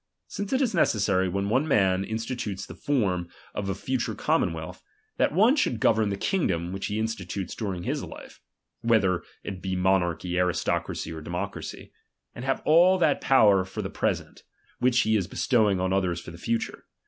Since it is neces sary, when one man institutes the form of a fu ture commonwealth, that one should govern the kingdom which he institutes during his life, (whe ther it be monarchy, aristocracy, or democracy) ; and have all that power for the present, which he is bestowing on others for the future.